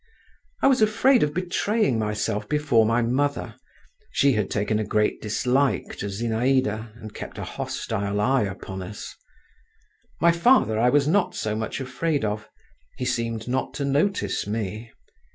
I was afraid of betraying myself before my mother; she had taken a great dislike to Zinaïda, and kept a hostile eye upon us. My father I was not so much afraid of; he seemed not to notice me.